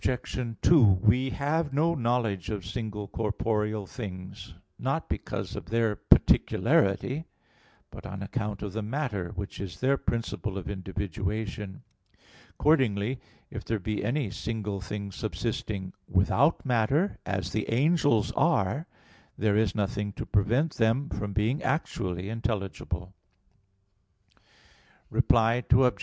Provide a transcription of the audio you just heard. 2: We have no knowledge of single corporeal things, not because of their particularity, but on account of the matter, which is their principle of individuation. Accordingly, if there be any single things subsisting without matter, as the angels are, there is nothing to prevent them from being actually intelligible. Reply Obj.